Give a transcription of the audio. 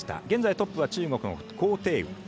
現在トップは中国の高亭宇。